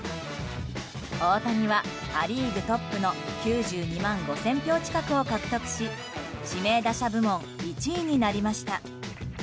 大谷はア・リーグトップの９２万５０００票近くを獲得し指名打者部門１位になりました。